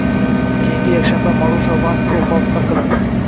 Keyingi yakshanba Marusha Vaskoga fotiha qilindi.